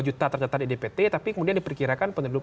dua juta tercatat di dpt tapi kemudian diperkirakan peneduk